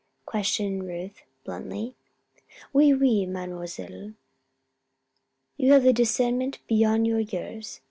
questioned Ruth, bluntly. "Oui, oui, Mademoiselle! You have the discernment beyond your years.